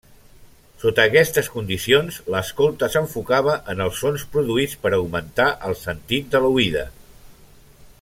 Sota aquestes condicions, l’escolta s'enfocava en els sons produïts per augmentar el sentit de l'oïda.